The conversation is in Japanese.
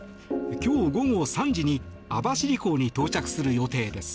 今日午後３時に網走港に到着する予定です。